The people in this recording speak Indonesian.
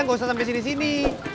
nggak usah sampai sini sini